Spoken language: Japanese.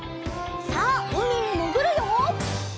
さあうみにもぐるよ！